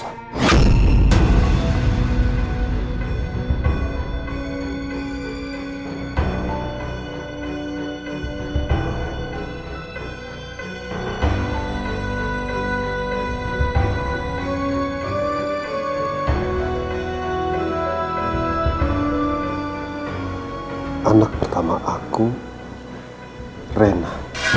ini anak pertama aku rina